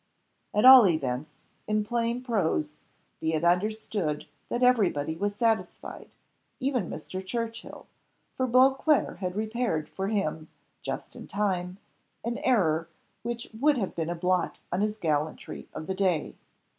At all events, in plain prose, be it understood that every body was satisfied, even Mr. Churchill; for Beauclerc had repaired for him, just in time, an error which would have been a blot on his gallantry of the day.